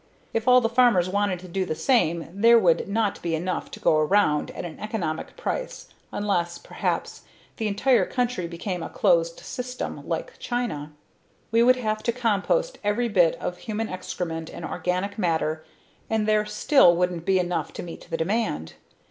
If all the farmers wanted to do the same there would not be enough to go around at an economic price unless, perhaps, the entire country became a "closed system" like China. We would have to compost every bit of human excrement and organic matter and there still wouldn't be enough to meet the demand.